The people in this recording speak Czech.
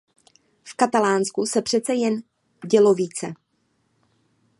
V Katalánsku se přece jen dělo více.